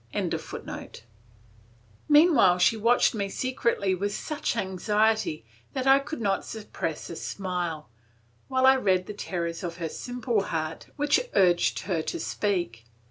] Meanwhile she watched me secretly with such anxiety that I could not suppress a smile, while I read the terrors of her simple heart which urged her to speak.